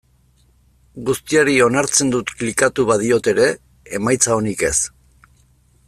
Guztiari onartzen dut klikatu badiot ere, emaitza onik ez.